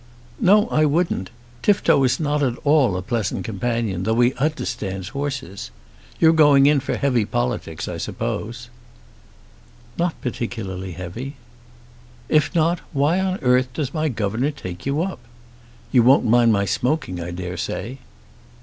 "No, I wouldn't. Tifto is not at all a pleasant companion, though he understands horses. You're going in for heavy politics, I suppose." "Not particularly heavy." "If not, why on earth does my governor take you up? You won't mind my smoking, I dare say."